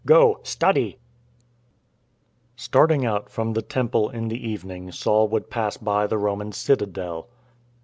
Go, study !'" Starting out from the Temple in the evening Saul would pass by the Roman citadel.